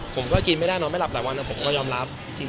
ผมก็กินไม่ได้นอนไม่หลับหลายวันผมก็ยอมรับ